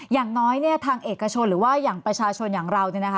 อย่างน้อยเนี่ยทางเอกชนหรือว่าอย่างประชาชนอย่างเรา